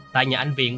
tại nhà anh viện